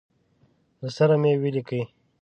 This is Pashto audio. له سره مي ولیکی.